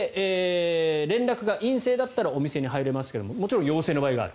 連絡が陰性だったらお店に入れますけれどもちろん陽性の場合がある。